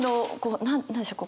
何でしょう？